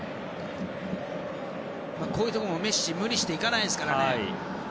こういうところもメッシ無理していかないですね。